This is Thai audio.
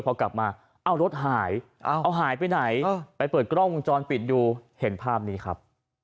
พอกลับมาเอารถหายเอาหายไปไหนไปเปิดกล้องวงจรปิดดูเห็นภาพนี้ครับ